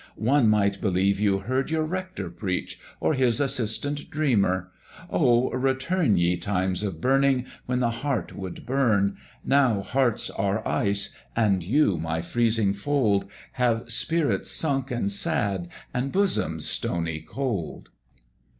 One might believe you heard your Rector preach, Or his assistant dreamer: Oh! return, Ye times of burning, when the heart would burn; Now hearts are ice, and you, my freezing fold, Have spirits sunk and sad, and bosoms stony cold.